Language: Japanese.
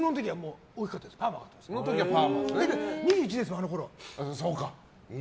２１ですから、あのころは。